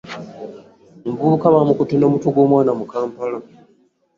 Omuvubuka bamukutte n'omutwe gw'omwana mu Kampala.